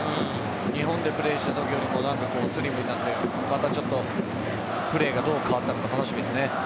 日本でプレーしたときよりもスリムになってまたちょっとプレーがどう変わったのか楽しみですね。